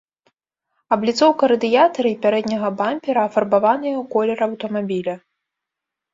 Абліцоўка радыятара і пярэдняга бампера афарбаваныя ў колер аўтамабіля.